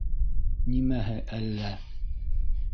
Нимәһе «әллә»?